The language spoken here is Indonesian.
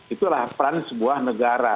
itulah peran sebuah negara